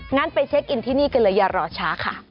งั้นไปเช็คอินที่นี่กันเลยอย่ารอช้าค่ะ